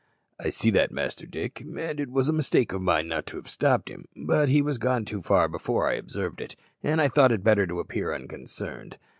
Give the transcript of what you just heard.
"I see that, Master Dick; and it was a mistake of mine not to have stopped him, but he was gone too far before I observed it, and I thought it better to appear unconcerned.